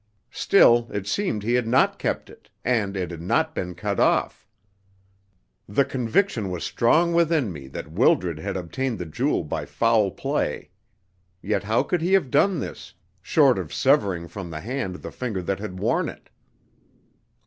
Still, it seemed he had not kept it, and it had not been cut off. The conviction was strong within me that Wildred had obtained the jewel by foul play. Yet how could he have done this, short of severing from the hand the finger that had worn it?